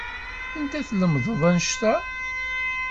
Anda tlemdeḍ annect-a?